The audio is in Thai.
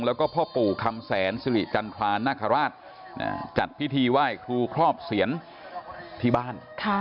แล้วก็พ่อปู่คำแสนสิริจันทรานาคาราชจัดพิธีไหว้ครูครอบเสียนที่บ้าน